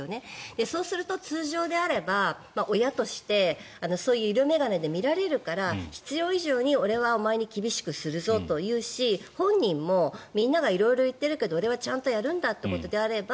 そうすると通常であれば親としてそういう色眼鏡で見られるから必要以上に俺はお前に厳しくするぞと言うし本人もみんなが色々言ってるけど俺はちゃんとやるんだということであれば